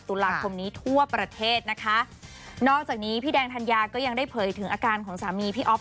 ตุลาคมนี้ทั่วประเทศนะคะนอกจากนี้พี่แดงธัญญาก็ยังได้เผยถึงอาการของสามีพี่อ๊อฟ